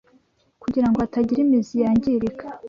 kugira ngo hatagira imizi yangirika